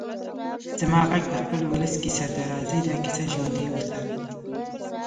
زما غږ د خپل ولس کيسه ده؛ راځئ دا کيسه ژوندۍ وساتو.